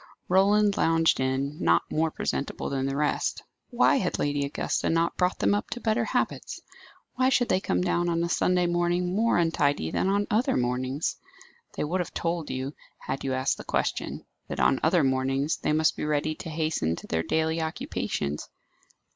Roland lounged in, not more presentable than the rest. Why had Lady Augusta not brought them up to better habits? Why should they come down on a Sunday morning more untidy than on other mornings? They would have told you, had you asked the question, that on other mornings they must be ready to hasten to their daily occupations.